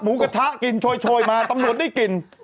หมูกระทะกินช่อยมาตำรวจได้กิน